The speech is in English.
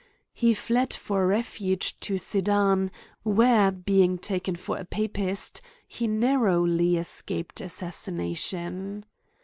He fled for refuge to Sedan, where, being taken for a papist, he narrowly escaped assassination.